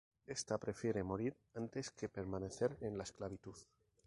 Ésta prefiere morir antes que permanecer en la esclavitud.